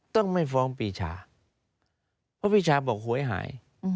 ต้องไม่ฟ้องปีชาเพราะปีชาบอกหวยหาย